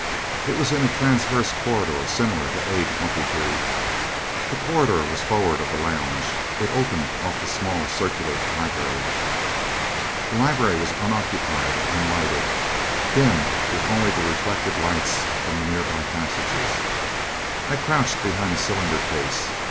It was in a transverse corridor similar to A22. The corridor was forward of the lounge: it opened off the small circular library. The library was unoccupied and unlighted, dim with only the reflected lights from the nearby passages. I crouched behind a cylinder case.